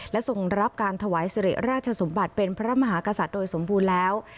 และทรงรับการถวายสิริราชสมบัติเป็นพระมหากษัตริย์โดยสมบูรณ์แล้ว